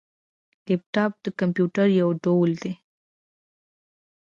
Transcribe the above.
لیپټاپ د کمپيوټر یو ډول دی